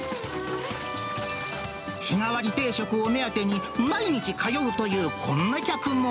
日替わり定食を目当てに、毎日通うというこんな客も。